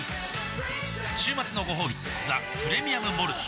週末のごほうび「ザ・プレミアム・モルツ」